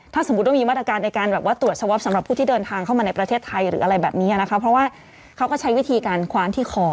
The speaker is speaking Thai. ถ้าสมมุติว่ามีมาตรการในการแบบว่าตรวจสวอปสำหรับผู้ที่เดินทางเข้ามาในประเทศไทยหรืออะไรแบบนี้นะคะเพราะว่าเขาก็ใช้วิธีการคว้านที่คอ